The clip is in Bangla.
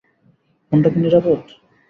ফোনটা কি নিরাপদ?